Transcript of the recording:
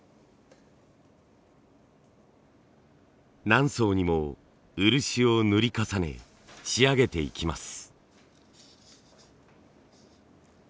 何層にも漆を塗り重ね仕上げていきます。